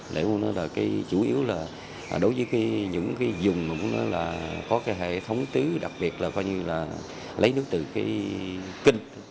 để muốn nói là chủ yếu là đối với những dùng có hệ thống tứ đặc biệt là lấy nước từ kinh